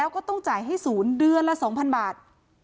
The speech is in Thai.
ก็ต้องจ่ายให้ศูนย์เดือนละ๒พันบาท